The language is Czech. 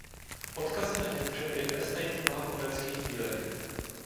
Odkazy na ně můžeme i dnes najít v mnoha uměleckých dílech.